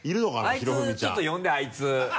あいつちょっと呼んであいつ。